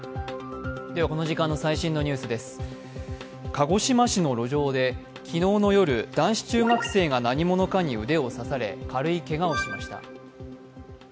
鹿児島市の路上で昨日の夜男子中学生が何者かに腕を刺され軽いけがをしました。